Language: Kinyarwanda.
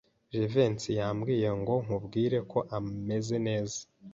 Jivency yambwiye ngo nkubwire ko ameze neza.